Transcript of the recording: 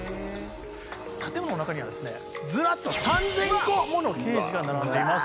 建物の中にはですねずらっと３，０００個ものケージが並んでいます。